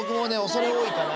恐れ多いかな